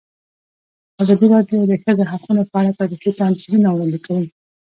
ازادي راډیو د د ښځو حقونه په اړه تاریخي تمثیلونه وړاندې کړي.